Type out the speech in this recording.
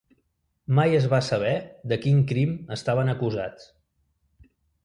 Mai es va saber de quin crim estaven acusats.